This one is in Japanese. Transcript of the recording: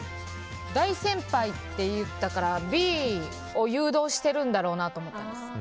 大先輩って言ったからＢを誘導してるんだろうなと思ったんです。